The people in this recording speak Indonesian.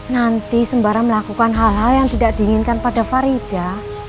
nanti sembarang melakukan hal hal yang tidak diinginkan pada farida